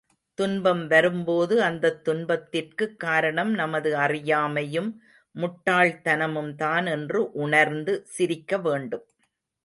துன்பம் வரும்போது, அந்தத் துன்பத்திற்குக் காரணம் நமது அறியாமையும் முட்டாள்தனமும்தான் என்று உணர்ந்து சிரிக்க வேண்டும்.